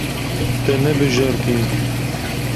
Te nebijartiye.